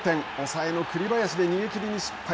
抑えの栗林で逃げきりに失敗。